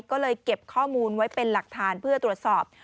ก็เลยเก็บข้อมูลไว้เป็นหลักฐานเพื่อตรวจสอบ